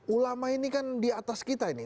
ulama ini kan di atas kita ini